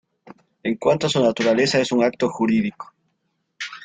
En cuanto a su naturaleza, es un acto jurídico.